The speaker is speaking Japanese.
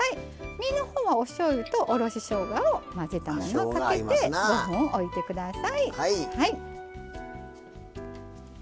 身のほうはおしょうゆとおろししょうがをかけて５分置いてください。